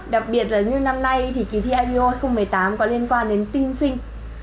đặc biệt là như năm nay thì kỳ thi io hai nghìn một mươi tám có liên quan đến pin sinh